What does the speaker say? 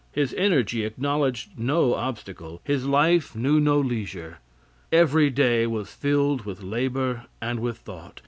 His energy acknowledged no obstacle, his life knew no leisure; every day was filled with labor and with thought.